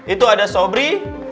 itu ada sobri